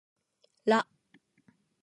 ら